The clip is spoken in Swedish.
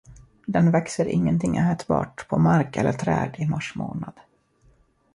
Den växer ingenting ätbart på mark eller träd i mars månad.